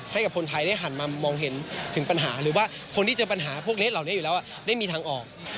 ให้กับคนไทยได้หันมามองเห็นถึงปัญหาหรือว่าคนที่เจอปัญหาพวกนี้เหล่านี้อยู่แล้วได้มีทางออก